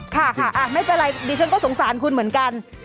ค่ะค่ะไม่เป็นไรดิฉันก็สงสารคุณเหมือนกัน